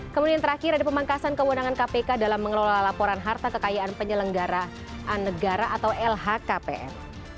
kemudian terakhir ada pemangkasan kewenangan kpk dalam mengelola laporan harta kekayaan penyelenggaraan negara atau lhkpn